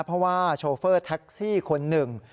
เพราะว่าโชเฟอร์แท็กซี่คนหนึ่ง